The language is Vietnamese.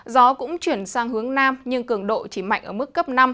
gió cũng chuyển sang hướng nam nhưng cường độ chỉ mạnh ở mức cấp năm